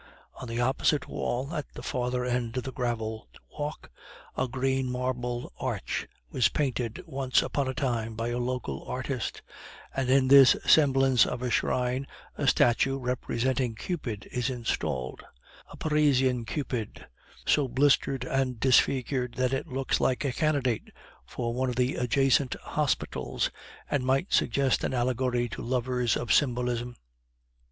On the opposite wall, at the further end of the graveled walk, a green marble arch was painted once upon a time by a local artist, and in this semblance of a shrine a statue representing Cupid is installed; a Parisian Cupid, so blistered and disfigured that he looks like a candidate for one of the adjacent hospitals, and might suggest an allegory to lovers of symbolism.